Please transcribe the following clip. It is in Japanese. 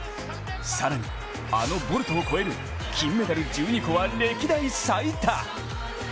更にあのボルトを超える金メダル１２個は、歴代最多！